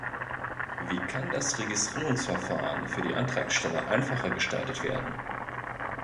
Wie kann das Registrierungsverfahren für die Antragsteller einfacher gestaltet werden?